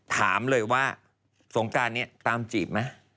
ถามเลยว่าสงการนี้ตามจีบไหม